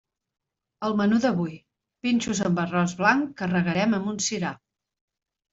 El menú d'avui: pinxos amb arròs blanc que regarem amb un sirà.